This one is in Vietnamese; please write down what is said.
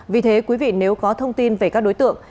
vì thế quý vị nếu có thông tin về các đối tượng